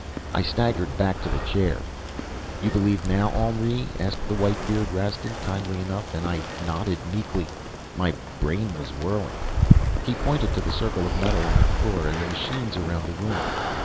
I staggered back to the chair. "'You believe now, Henri?' asked the whitebeard, Rastin, kindly enough, and I nodded weakly. My brain was whirling. "He pointed to the circle of metal on the floor and the machines around the room.